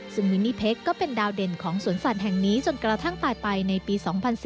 ซึ่งมินนี่เพคก็เป็นดาวเด่นของสวนสัตว์แห่งนี้จนกระทั่งตายไปในปี๒๔๙